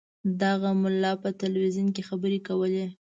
دغه ملا په تلویزیون کې خبرې کولې.